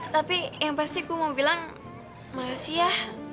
tapi yang pasti gue mau bilang makasih ya